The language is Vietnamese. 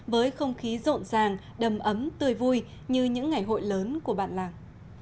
với không khí rộn ràng đầm ấm tươi vui như những ngày hội lớn của bạn lạc